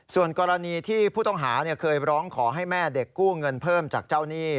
ส่วนกรณีที่ผู้ต้องหาเคยร้องขอให้แม่เด็กกู้เงินเพิ่มจากเจ้าหนี้